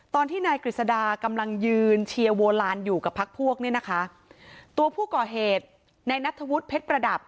ตอนที่นายกฤษดากำลังยืนเชียร์โวลานอยู่กับพักพวกเนี่ยนะคะตัวผู้ก่อเหตุในนัทธวุฒิเพชรประดับ